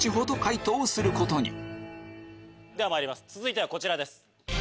続いてはこちらです。